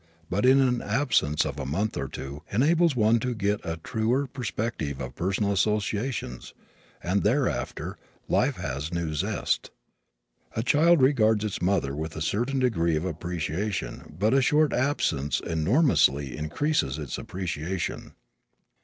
But an absence of a month or two enables one to get a truer perspective of personal associations and thereafter life has new zest. A child regards its mother with a certain degree of appreciation but a short absence enormously increases its appreciation.